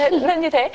nên như thế